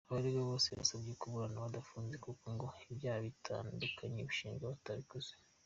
Abaregwa bose basabye kuburana badafunze kuko ngo ibyaha bitandukanye bashinjwa batabikoze.